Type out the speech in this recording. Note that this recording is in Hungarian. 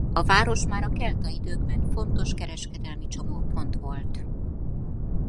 A város már a kelta időkben fontos kereskedelmi csomópont volt.